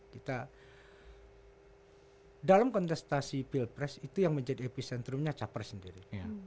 kita dalam kontestasi pilpres itu yang menjadi epicentrumnya capres sendiri